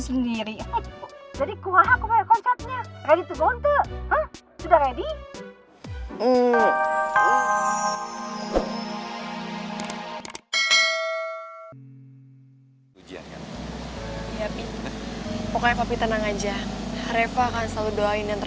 besok ujian nama sudah ada